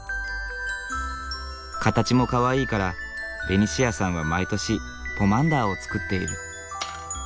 形もかわいいからベニシアさんは毎年ポマンダーを作っている。